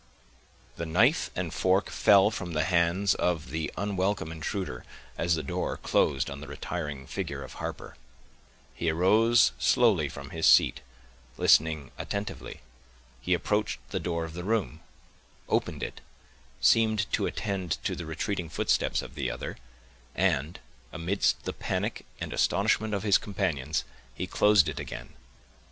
The knife and fork fell from the hands of the unwelcome intruder, as the door closed on the retiring figure of Harper; he arose slowly from his seat; listening attentively, he approached the door of the room—opened it—seemed to attend to the retreating footsteps of the other—and, amidst the panic and astonishment of his companions, he closed it again.